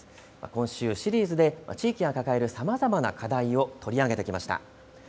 今週、シリーズで地域が抱えるさまざまな課題を取り上げてきました。